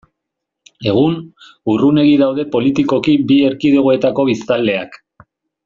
Egun, urrunegi daude politikoki bi erkidegoetako biztanleak.